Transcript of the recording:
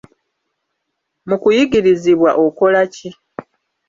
Mu kuyigirizibwa okola ki?